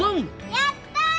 やった！